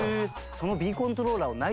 そのＢコントローラーを。ええっ！？